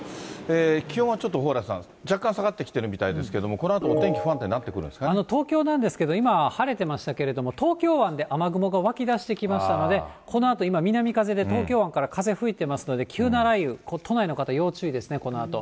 気温はちょっと蓬莱さん、若干下がってきているみたいですけれども、このあとお天気、不安定になってくるんです東京なんですけど、今、晴れてましたけど、東京湾で雨雲がわきだしてきましたので、このあと今、南風で東京湾から風吹いてますので、急な雷雨、都内の方、要注意ですね、このあと。